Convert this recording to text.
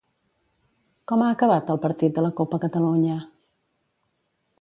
Com ha acabat el partit de la copa Catalunya?